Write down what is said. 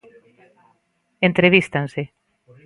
Entrevístanse.